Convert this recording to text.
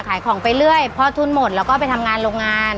ขายของไปเรื่อยเพราะทุนหมดแล้วก็ไปทำงานโรงงาน